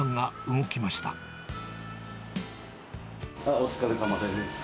お疲れさまです。